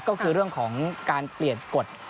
ก็คือเรื่องของการเปลี่ยนกฎ